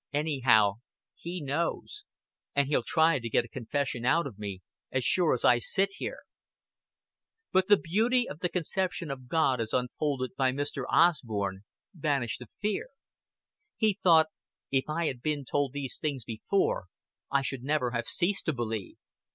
Anyhow, he knows; and he'll try to get a confession out of me, as sure as I sit here." But the beauty of the conception of God as unfolded by Mr. Osborn banished the fear. He thought: "If I had been told these things before, I should have never ceased to believe.